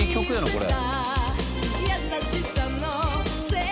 これ。